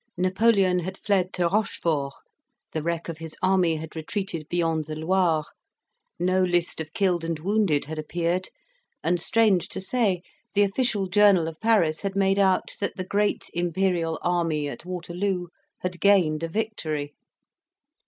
Napoleon had fled to Rochfort; the wreck of his army had retreated beyond the Loire; no list of killed and wounded had appeared; and, strange to say, the official journal of Paris had made out that the great Imperial army at Waterloo had gained a victory.